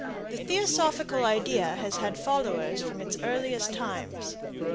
The theosophical idea has had followers from the earliest times.